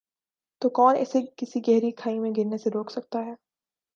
تو کون اسے کسی گہری کھائی میں گرنے سے روک سکتا ہے ۔